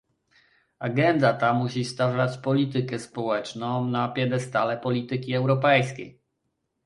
Agenda ta musi stawiać politykę społeczną na piedestale polityki europejskiej